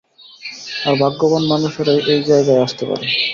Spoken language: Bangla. আর ভাগ্যবান মানুষেরাই এই জায়গায় আসতে পারে।